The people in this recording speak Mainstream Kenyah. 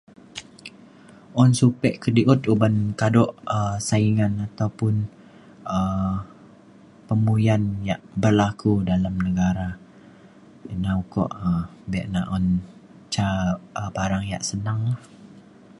Un supek kedi'ut uban kado um saingan ataupun um penguyan yak berlaku dalem negara ina uko um bek na un ca barang yang senang